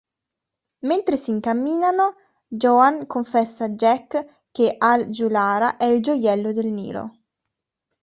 Mentre si incamminano, Joan confessa a Jack che Al-Julhara è il Gioiello del Nilo.